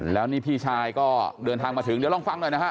แล้วนี่พี่ชายก็เดินทางมาถึงเดี๋ยวลองฟังหน่อยนะฮะ